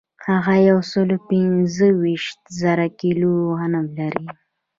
هغه یو سل پنځه ویشت زره کیلو غنم اخلي